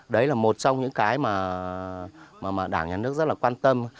đấy là một trong những cái mà đảng nhà nước rất là quan tâm